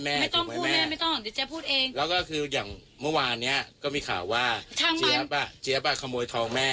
แล้วก็คืออย่างเมื่อวานเนี้ยก็มีข่าวว่าเจ๊บอ่ะเจ๊บอ่ะขโมยทองแม่